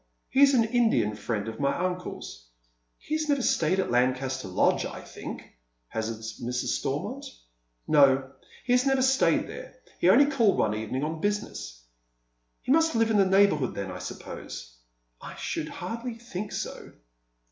He is an Indian friend of my uncle's." " He has never stayed at Lancaster Lodge, I think," hazards Mrs. Stormont. " No, he has never stayed there. He only called one evening on business." •' He must live in the neighbourhood then, I suppose ?"" I should hardly think so."